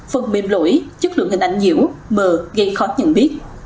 phần mềm lỗi chất lượng hình ảnh nhiễu mờ gây khó nhận biết